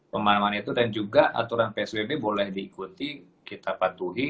pemahaman itu dan juga aturan psbb boleh diikuti kita patuhi